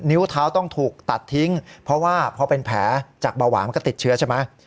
นิ้วเท้าต้องถูกตัดทิ้งเพราะว่าพอเป็นแผลจากเบาหวานมันก็ติดเชื้อใช่ไหม